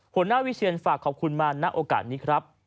หัวหน้าวิเชียนฝากขอบคุณมาณโอกาสนี้ครับ